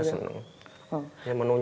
mas agusnya seneng